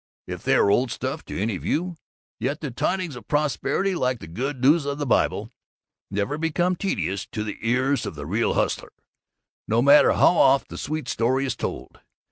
If they are old stuff to any of you, yet the tidings of prosperity, like the good news of the Bible, never become tedious to the ears of a real hustler, no matter how oft the sweet story is told!